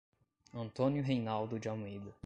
Antônio Reinaldo de Almeida